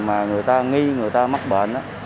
mà người ta nghi người ta mắc bệnh